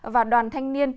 và đoàn thanh niên